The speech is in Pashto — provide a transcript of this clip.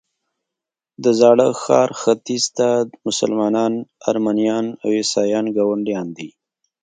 د زاړه ښار ختیځ ته مسلمانان، ارمنیان او عیسویان ګاونډیان دي.